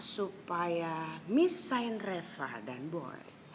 supaya misign reva dan boy